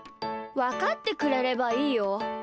わかってくれればいいよ。